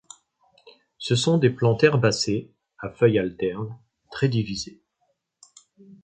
Ce sont des plantes herbacées à feuilles alternes, très divisées.